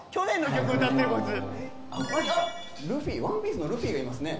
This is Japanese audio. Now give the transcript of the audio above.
ルフィ『ＯＮＥＰＩＥＣＥ』のルフィがいますね。